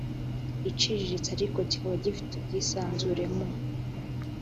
iciriritse ariko kikaba gifite ubwisanzure mu